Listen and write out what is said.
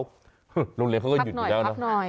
ฮึโรงเรียนเขาก็หยุดอยู่หน้าแล้ว